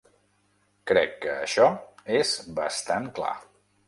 Crec que això és bastant clar.